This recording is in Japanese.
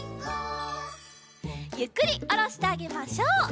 ゆっくりおろしてあげましょう。